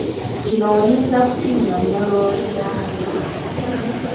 Kino oyinza kukinnyonnyola otya?